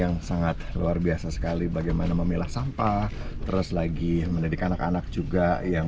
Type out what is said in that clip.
yang sangat luar biasa sekali bagaimana memilah sampah terus lagi mendidik anak anak juga yang